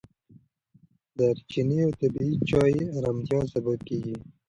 دارچیني او طبیعي چای د ارامتیا سبب کېږي.